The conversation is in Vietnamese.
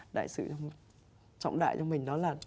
đại sự trọng đại cho mình đó là